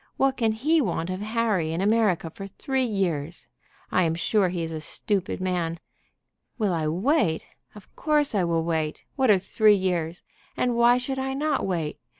"What can he want of Harry in America for three years? I am sure he is a stupid man. Will I wait? Of course I will wait. What are three years? And why should I not wait?